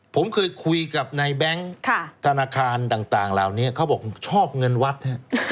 ผมเคยคุยกับในแบงค์ธนาคารต่างราวนี้เขาบอกชอบเงินวัดนี่